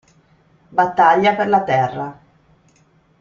Battaglia per la Terra